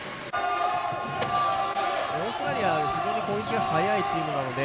オーストラリア、非常に攻撃が早いチームなので。